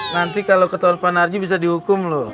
nanti kalau ketua panarji bisa dihukum loh